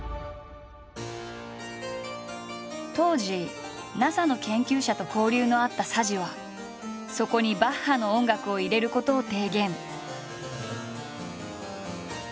当時ＮＡＳＡの研究者と交流のあった佐治はそこにバッハの音楽を入れることを提言。